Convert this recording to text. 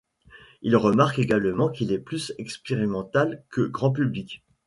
Il remarque également qu'il est plus expérimental que grand public.